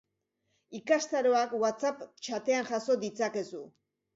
Ikastaroak WhatsApp txatean jaso ditzakezu.